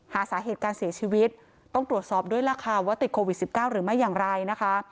หาสาเหตุการเสียชีวิตต้องตรวจสอบด้วยล่ะค่ะว่าติดโควิด๑๙หรือไม่อย่างไรนะคะ